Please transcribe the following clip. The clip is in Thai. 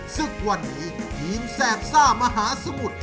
ซึ่งวันนี้พีมแซ่บทรามหาสมุด